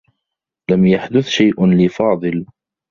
لم يحدث شيء لفاضل.